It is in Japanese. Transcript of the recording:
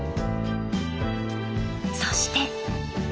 そして。